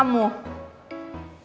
gambar yang muka kamu